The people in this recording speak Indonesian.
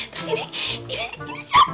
terus ini ini siapa